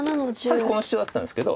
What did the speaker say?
さっきこのシチョウだったんですけど。